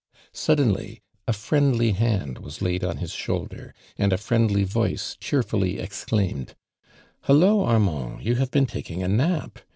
Suddenly a friendly hand was laid on his •houlder, and a fri(>ndly voice cheerfully ex claimed : ''Halloa, been taking a nap.